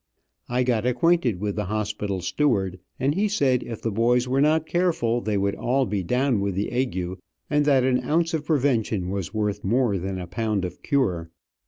I got acquainted with the hospital steward, and he said if the boys were not careful they would all be down with the ague, and that an ounce of prevention was worth more than a pound of cure.